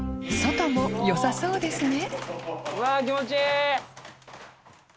祿阿よさそうですね